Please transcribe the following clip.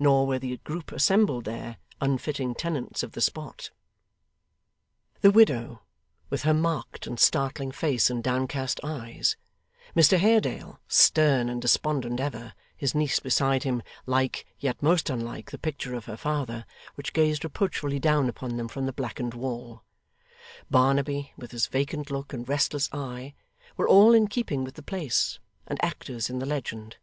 Nor were the group assembled there, unfitting tenants of the spot. The widow, with her marked and startling face and downcast eyes; Mr Haredale stern and despondent ever; his niece beside him, like, yet most unlike, the picture of her father, which gazed reproachfully down upon them from the blackened wall; Barnaby, with his vacant look and restless eye; were all in keeping with the place, and actors in the legend.